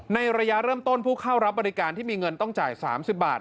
ในระยะเริ่มต้นผู้เข้ารับบริการที่มีเงินต้องจ่าย๓๐บาท